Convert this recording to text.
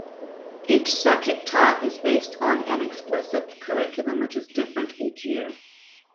Each subject taught is based on an explicit curriculum which is different each year.